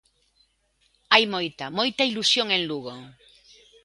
Hai moita, moita ilusión en Lugo...